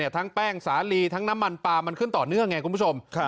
ทั้งแป้งสาลีทั้งน้ำมันปลามันขึ้นต่อเนื่องไงคุณผู้ชม